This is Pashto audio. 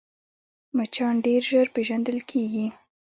مچان ډېر ژر پېژندل کېږي